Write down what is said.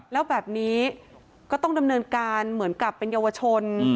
แล้วแบบนี้ก็ต้องดำเนินการเหมือนกับเป็นเยาวชน